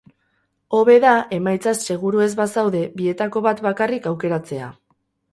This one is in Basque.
Hobe da, emaitzaz seguru ez bazaude, bietako bat bakarrik aukeratzea.